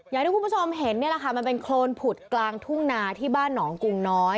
อย่างที่คุณผู้ชมเห็นนี่แหละค่ะมันเป็นโครนผุดกลางทุ่งนาที่บ้านหนองกุงน้อย